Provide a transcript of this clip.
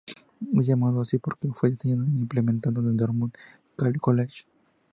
Es llamado así porque fue diseñado e implementado en el Dartmouth College.